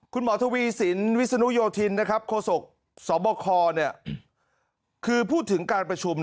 คุณหมอทวีสินวิศนุโยธินโคศกสบคคือพูดถึงการประชุม